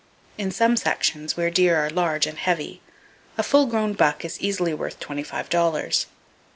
In some sections, where deer are large and heavy, a full grown buck is easily worth twenty five dollars.